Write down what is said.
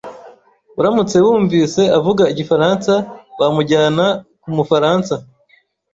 Uramutse wunvise avuga igifaransa, wamujyana kumufaransa.